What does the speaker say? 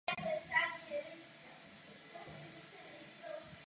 V bázi indexu jsou nejvíce zastoupeny akcie francouzských společností.